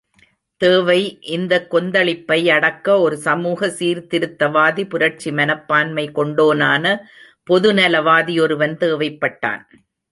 தேவை இந்த கொந்தளிப்பை யடக்க ஒரு சமூக சீர்த்திருத்தவாதி, புரட்சி மனப்பான்மை கொண்டோனான பொதுநலவாதி ஒருவன் தேவைப்பட்டான்.